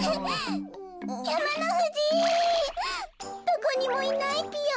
どこにもいないぴよ。